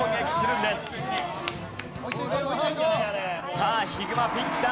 さあヒグマピンチだ。